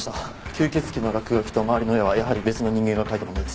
吸血鬼の落書きと周りの絵はやはり別の人間が描いたものです。